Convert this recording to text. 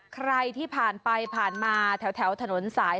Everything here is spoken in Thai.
ใครที่ผ่านไปผ่านมาแถวถนนสาย